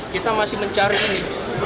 kita masih mencari ini